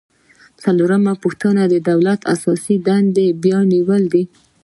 څلورمه پوښتنه د دولت اساسي دندې بیانول دي.